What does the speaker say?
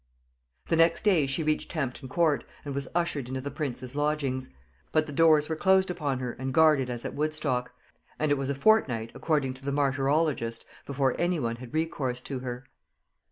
The next day she reached Hampton Court, and was ushered into the prince's lodgings; but the doors were closed upon her and guarded as at Woodstock, and it was a fortnight, according to the martyrologist, before any one had recourse to her.